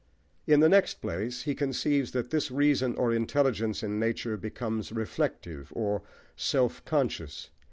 In the next place, he conceives that this reason or intelligence in nature becomes reflective, or self conscious.